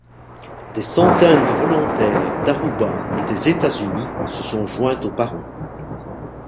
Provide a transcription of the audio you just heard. Des centaines de volontaires d'Aruba et des États-Unis se sont joints aux parents.